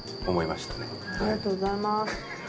ありがとうございます。